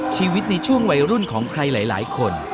ชีวิตในช่วงวัยรุ่นของใครหลายคน